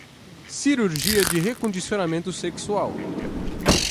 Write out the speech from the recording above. Cirurgia de recondicionamento sexual